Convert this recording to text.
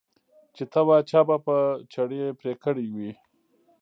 چې ته وا چا به په چړې پرې کړي وي.